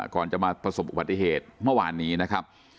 ก่อนจะมาประสบอุบัติเหตุเมื่อวานนี้นะครับ